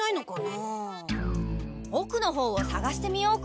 うんおくの方をさがしてみようか。